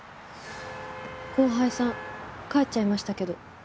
後輩さん帰っちゃいましたけど。